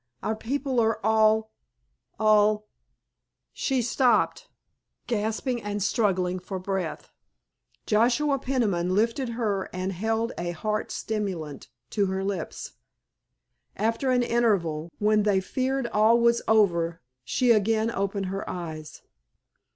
Our people are all—all——" She stopped, gasping and struggling for breath. Joshua Peniman lifted her and held a heart stimulant to her lips. After an interval, when they feared all was over, she again opened her eyes.